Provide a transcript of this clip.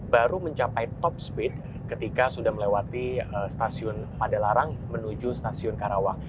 baru mencapai top speed ketika sudah melewati stasiun padalarang menuju stasiun karawang